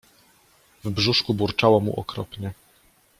W brzuszku burczało mu okropnie.